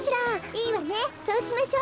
いいわねそうしましょ。